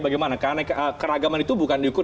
bagaimana karena keragaman itu bukan diukur